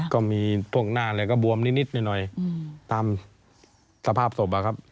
ก็มีพวกหน้าอะไรก็บวมนิดหน่อยตามสภาพศพอะครับ